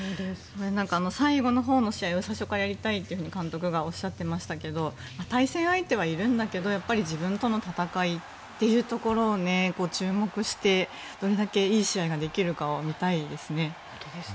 最後のほうの試合を最初からやりたいと監督がおっしゃってましたけど対戦相手はいるんだけど自分との戦いというところを注目して、どれだけいい試合ができるかを見たいですね。